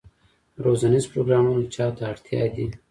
روزنیز پروګرامونه چا ته اړتیا دي؟